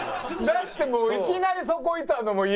だってもういきなりそこいたのもイヤやし。